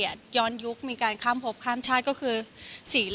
อินกับตัวละครอินกับคาแรคเตอร์